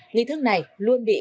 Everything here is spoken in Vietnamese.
nghi thức này luôn bị cắt